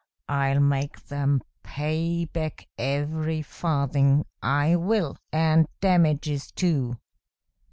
I'll make them pay back every farthing, I will. And damages, too.